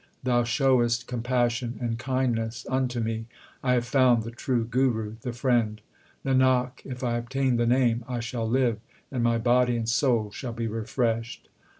Thou showest compassion and kindness unto me ; I have found the true Guru, the friend. Nanak, if I obtain the Name, I shall live, and my body and soul shall be refreshed.